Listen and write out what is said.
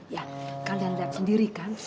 ya kalian lihat sendiri kan